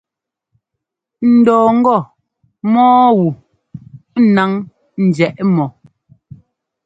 N dɔɔ ŋgɔ mɔ́ɔ wu náŋ njɛ́ʼ mɔ.